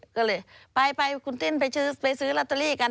ก็เลยไปคุณติ้นไปซื้อลอตเตอรี่กัน